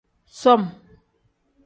Som.